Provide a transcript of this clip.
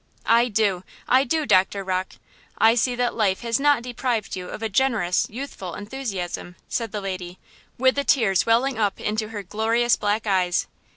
"I do! I do, Doctor Rocke! I see that life has not deprived you of a generous, youthful enthusiasm," said the lady, with the tears welling up into her glorious black eyes.